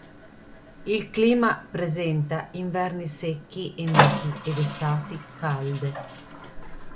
Il clima presenta inverni secchi e miti ed estati calde.